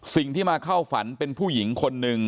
สิ่งที่มาเข้าฝันเป็นผู้หญิงคนหนึ่ง